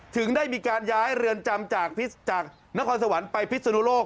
ถึงได้มีการย้ายเรือนจำจากนครสวรรค์ไปพิศนุโลก